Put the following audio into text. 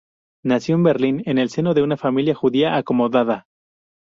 Nació en Berlín en el seno de una familia judía acomodada.